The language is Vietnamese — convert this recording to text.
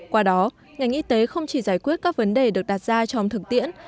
qua đó ngành y tế không chỉ giải quyết các vấn đề được đặt ra trong thực tiễn